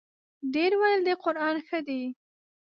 ډېر ویل د قران ښه دی.